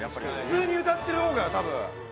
普通に歌ってる方が多分。